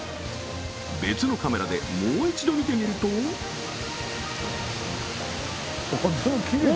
別のカメラでもう一度見てみるとおお！